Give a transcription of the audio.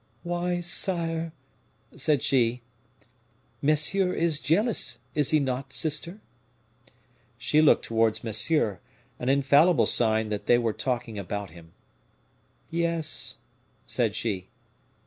"Why sire " said she. "Monsieur is jealous, is he not, sister?" She looked towards Monsieur, an infallible sign that they were talking about him. "Yes," said she.